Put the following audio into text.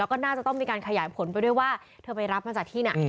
แล้วก็น่าจะต้องมีการขยายผลไปด้วยว่าเธอไปรับมาจากที่ไหน